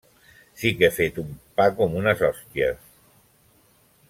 -Sí que he fet un pa com unes hòsties!